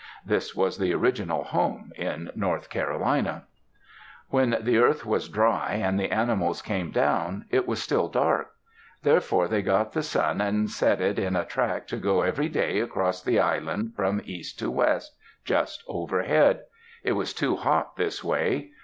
[This was the original home, in North Carolina.] When the earth was dry and the animals came down, it was still dark. Therefore they got the sun and set it in a track to go every day across the island from east to west, just overhead. It was too hot this way.